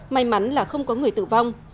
may mắn là không có người tử vong